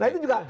nah itu juga